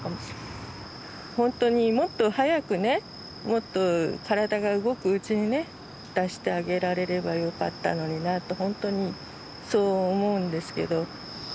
ほんとにもっと早くねもっと体が動くうちにね出してあげられればよかったのになってほんとにそう思うんですけど。